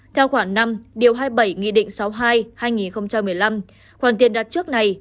theo khoản năm hai mươi bảy sáu mươi hai hai nghìn một mươi năm khoản tiền đặt trước này